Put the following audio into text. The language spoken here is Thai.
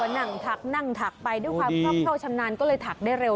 นั่งถักนั่งถักไปด้วยความครอบเข้าชำนาญก็เลยถักได้เร็ว